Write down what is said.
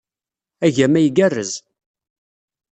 Agama igerrez